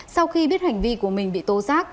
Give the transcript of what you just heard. sau khi biết hành vi của mình bị tố giác